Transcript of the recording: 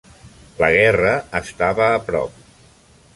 La guerra estava a prop.